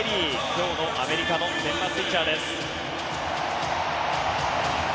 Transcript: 今日のアメリカの先発ピッチャーです。